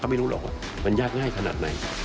ไม่รู้หรอกว่ามันยากง่ายขนาดไหน